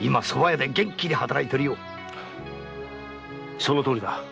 そのとおりだ。